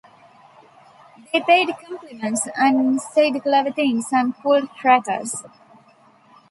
They paid compliments, and said clever things, and pulled crackers.